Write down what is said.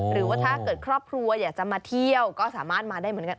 หรือว่าถ้าเกิดครอบครัวอยากจะมาเที่ยวก็สามารถมาได้เหมือนกัน